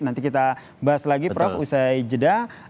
nanti kita bahas lagi prof usai jeda